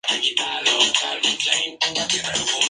Para ello se conformó la comisión de estadio.